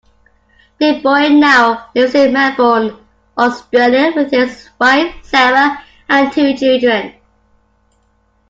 DeBoer now lives in Melbourne, Australia, with his wife Sarah and two children.